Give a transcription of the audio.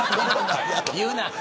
言うな。